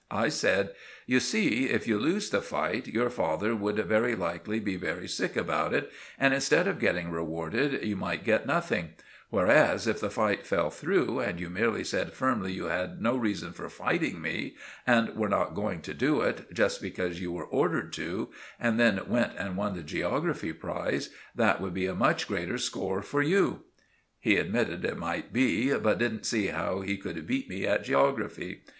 I said— "You see, if you lost the fight, your father would very likely be very sick about it, and instead of getting rewarded, you might get nothing; whereas, if the fight fell through and you merely said firmly you had no reason for fighting me, and were not going to do it just because you were ordered to, and then went and won the geography prize, that would be a much greater score for you." He admitted it might be, but didn't see how he could beat me at geography.